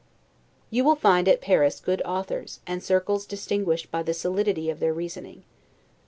You will find at Paris good authors, and circles distinguished by the solidity of their reasoning.